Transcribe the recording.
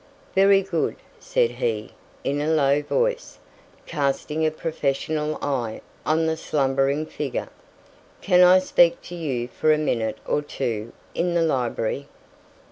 "Very good," said he, in a low voice, casting a professional eye on the slumbering figure; "can I speak to you for a minute or two in the library?"